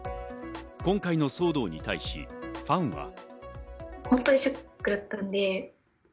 今回の騒動に対し、ファンは。